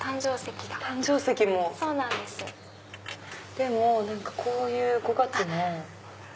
でもこういう５月も。